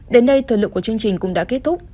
đến đây thời lượng của chương trình cũng đã kết thúc